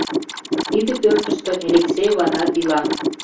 Тиде пӧртыштӧ Элексей ватат ила.